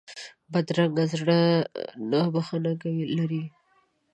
بدرنګه زړه نه بښنه لري